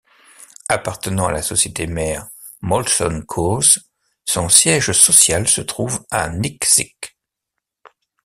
Appartenant à la société mère Molson Coors, son siège social se trouve à Nikšić.